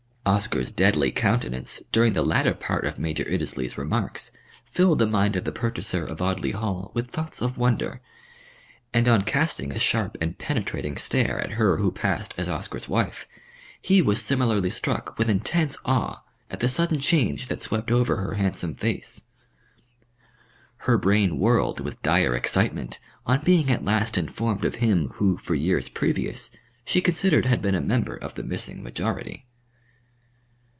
Oscar's deadly countenance during the latter part of Major Iddesleigh's remarks filled the mind of the purchaser of Audley Hall with thoughts of wonder, and on casting a sharp and penetrating stare at her who passed as Oscar's wife, he was similarly struck with intense awe at the sudden change that swept over her handsome face. Her brain whirled with dire excitement on being at last informed of him who for years previous she considered had been a member of the missing majority.